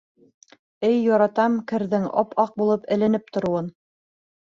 Эй яратам керҙең ап-аҡ булып эленеп тороуын.